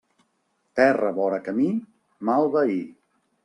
Terra vora camí, mal veí.